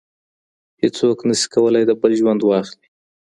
هیڅوک نه سي کولای د بل ژوند واخلي.